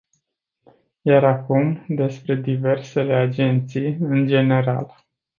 Iar acum, despre diversele agenții în general.